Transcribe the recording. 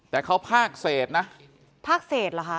แต่เขาภาข์เศสนะภาข์เศสหรอคะ